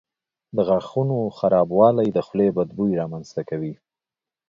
د غاښونو خرابوالی د خولې بد بوی رامنځته کوي.